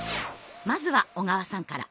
まずは小川さんから。